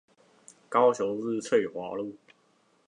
高雄市翠華路